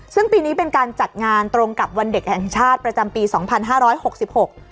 ซึ่งปีนี้เป็นการจัดงานตรงกับวันเด็กแห่งชาติประจำปีสองพันห้าร้อยหกสิบหก